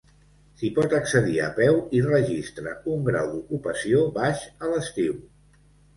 S'hi pot accedir a peu i registra un grau d'ocupació baix a l'estiu.